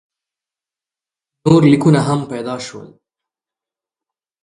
نور لیکونه هم پیدا شول.